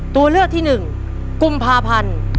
ตัวเลือกที่๑กุมภาพันธ์